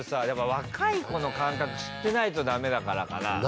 やっぱ若い子の感覚知ってないとダメだからかな。